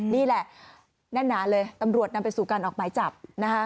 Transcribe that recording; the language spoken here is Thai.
นี่แหละแน่นหนาเลยตำรวจนำไปสู่การออกหมายจับนะคะ